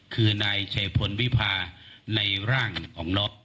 คือนายชัยพลวิพาในร่างของน็อต